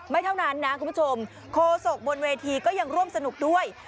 เท่านั้นนะคุณผู้ชมโคศกบนเวทีก็ยังร่วมสนุกด้วย